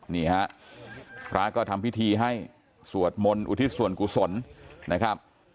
นี่ฮะพระก็ทำพิธีให้สวดมนต์อุทิศส่วนกุศลนะครับ